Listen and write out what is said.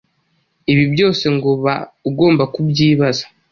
ibi byose ngo uba ugomba kubyibaza